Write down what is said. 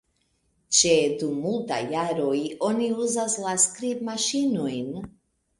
Ĉu de multaj jaroj oni uzas la skribmaŝinojn?